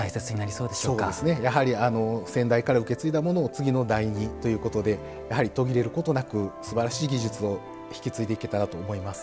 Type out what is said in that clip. そうですねやはり先代から受け継いだものを次の代にということでやはり途切れることなくすばらしい技術を引き継いでいけたらと思います。